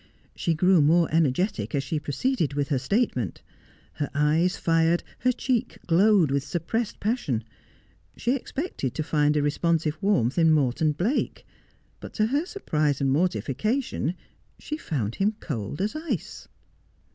She grew more energetic as she proceeded with her statement. Her eyes fired, her cheek glowed with suppressed passion. She expected to find a responsive warmth in Morton Blake ; but to her sur prise and mortification she found him cold as ice.